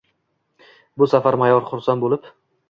Bu safar mayor xursand bo‘lib: